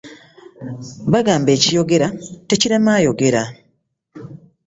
Bagamba ekitayogera tekirema ayogera.